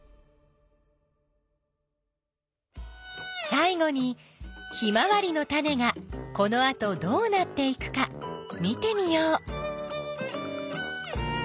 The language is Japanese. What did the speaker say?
さい後にヒマワリのタネがこのあとどうなっていくか見てみよう。